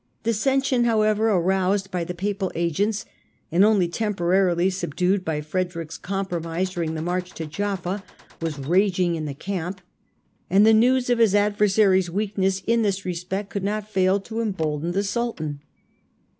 Dis sension, however, aroused by the Papal agents and only temporarily subdued by Frederick's compromise during the march to Jaffa, was raging in the camp, and the news of his adversaries' weakness in this respect could not fail to embolden the Sultan.